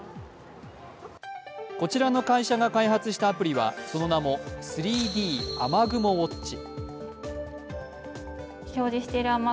こちらの会社が開発したアプリはその名も３Ｄ雨雲ウォッチ。